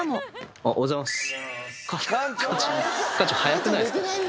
おはようございます。